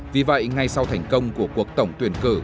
vì vậy ngay sau thành công của cuộc tổng tuyển cử